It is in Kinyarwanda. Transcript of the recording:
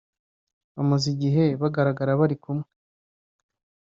bamaze igihe bagaragara bari kumwe